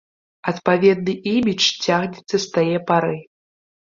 Адпаведны імідж цягнецца з тае пары.